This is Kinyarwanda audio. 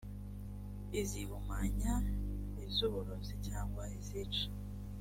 izihumanya iz uburozi cyangwa izica